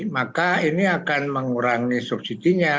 maka ini akan mengurangi subsidi nya